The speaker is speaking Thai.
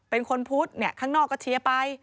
เป็นคนพุธข้างนอกก็เชียร์ไป